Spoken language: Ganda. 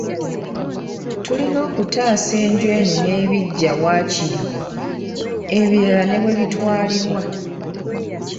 Tulina okutaasa enju eno n'ebiggya waakiri, ebirala ne bwe bitwalibwa.